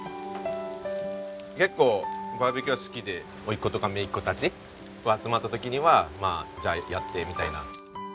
結構バーベキューは好きでおいっ子とかめいっ子たちが集まった時には「じゃあやって」みたいな。